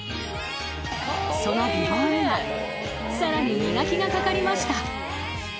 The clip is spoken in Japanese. ［その美貌にはさらに磨きがかかりました］